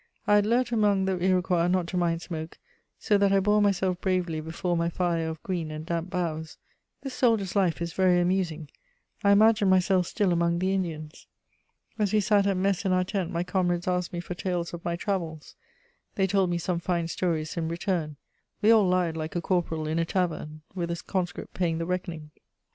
I had learnt among the Iroquois not to mind smoke, so that I bore myself bravely before my fire of green and damp boughs. This soldier's life is very amusing; I imagined myself still among the Indians. As we sat at mess in our tent my comrades asked me for tales of my travels; they told me some fine stories in return; we all lied like a corporal in a tavern, with a conscript paying the reckoning.